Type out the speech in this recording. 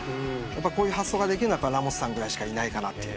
こういう発想ができるのはラモスさんぐらいしかいないかなと。